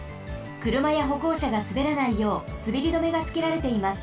くるまやほこうしゃがすべらないようすべり止めがつけられています。